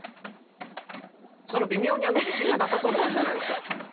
その微妙に自信がなさそうな感じ何ですか？